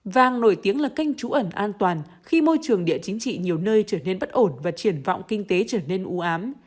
vàng nổi tiếng là kênh trú ẩn an toàn khi môi trường địa chính trị nhiều nơi trở nên bất ổn và triển vọng kinh tế trở nên ưu ám